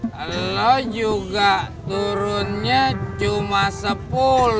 kalau juga turunnya cuma sepuluh